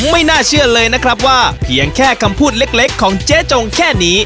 ไม่น่าเชื่อเลยนะครับว่าเพียงแค่คำพูดเล็กของเจ๊จงแค่นี้